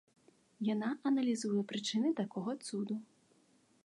Яна аналізуе прычыны такога цуду.